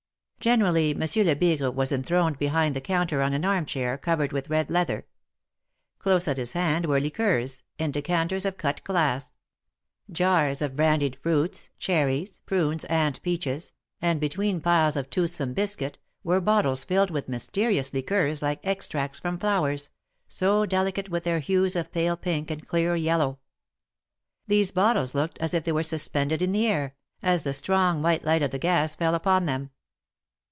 Generally, Monsieur Lebigre was enthroned behind the counter on an arm chair, covered with red leather. Close at his hand were liqueurs, in decanters of cut glass— jars 132 THE MAEKETS OF PAEIS. of brandied fruits, cherries, prunes and peaches, and be tween piles of toothsome biscuit, were bottles filled with mysterious liqueurs like extracts from flowers, so delicate were their hues of pale pink and clear yellow. These bottles looked as if they were suspended in the air, as the strong, white light of the gas fell upon them.